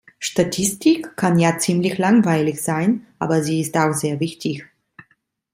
Statistik kann ja ziemlich langweilig sein, aber sie ist auch sehr wichtig.